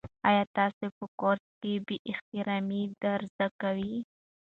آیا تاسو ته په کورس کې بې احترامي در زده کوي؟